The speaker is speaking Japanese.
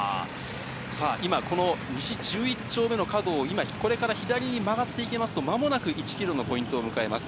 さあ、今、この西１１丁目の角を今、これから左に曲がっていきますと、まもなく１キロのポイントを迎えます。